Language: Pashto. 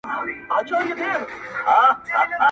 ستا د غېږي تر ساحله نه رسېږم ښه پوهېږم,